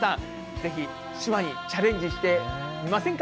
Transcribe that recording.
ぜひ、手話にチャレンジしてみませんか？